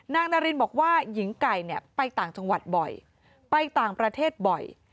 นารินบอกว่าหญิงไก่เนี่ยไปต่างจังหวัดบ่อยไปต่างประเทศบ่อย